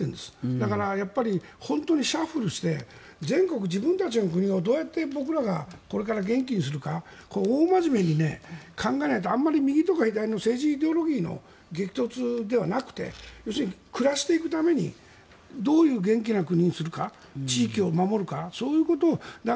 だから、本当にシャッフルして全国自分たちの国をどうやって僕らがこれから元気にするか大真面目に考えないとあまり右とか左とかの政治イデオロギーの激突ではなくて要するに、暮らしていくためにどういう元気な国にするか地域を守るかそういうことを。